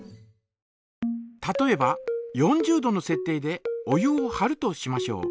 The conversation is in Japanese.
例えば４０度のせっ定でお湯をはるとしましょう。